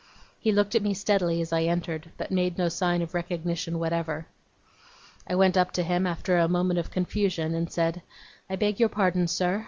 He looked at me steadily as I entered, but made no sign of recognition whatever. I went up to him, after a moment of confusion, and said: 'I beg your pardon, sir.